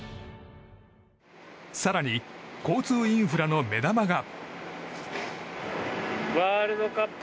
更に、交通インフラの目玉が。